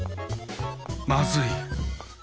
まずい！